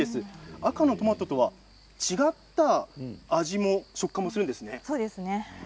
赤のトマトとはまた違った味も食感もするんですね。